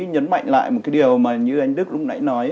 nhấn mạnh lại một cái điều mà như anh đức lúc nãy nói